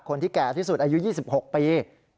คนที่แก่ที่สุดอายุ๒๖ปี